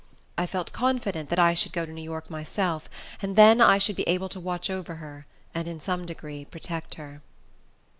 I felt confident that I should go to New York myself; and then I should be able to watch over her, and in some degree protect her.